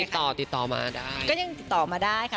ติดต่อติดต่อมาได้ก็ยังติดต่อมาได้ค่ะ